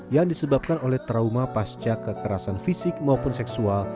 yang disebabkan oleh trauma pasca kekerasan fisik maupun seksual